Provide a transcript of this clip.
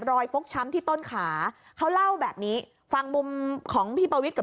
ฟกช้ำที่ต้นขาเขาเล่าแบบนี้ฟังมุมของพี่ปวิทย์กับ